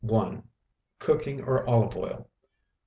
Cooking or olive oil.